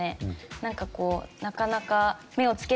なんかこうなかなか。